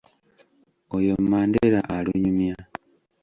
Oyo Mandera alunyumya.